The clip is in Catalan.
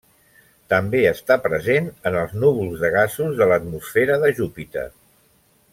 També està present en els núvols de gasos de l'atmosfera de Júpiter.